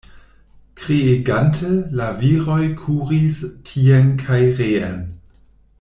Kriegante, la viroj kuris tien kaj reen.